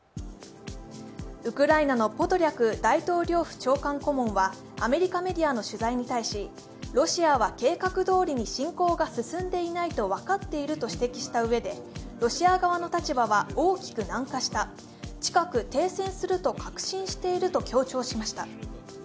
ウクライナのポドリャク大統領補佐官はアメリカメディアの取材に対し、ロシアは計画どおりに侵攻が進んでいないと分かっていると指摘したうえで、ロシア側の立場は大きく軟化した、近く停戦すると確信していると強調しました。